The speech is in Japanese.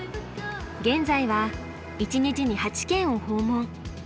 現在は一日に８軒を訪問。